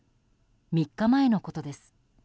３日前のことです。